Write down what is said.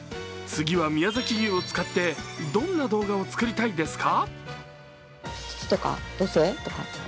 次は宮崎牛を使ってどんな動画を作りたいですか？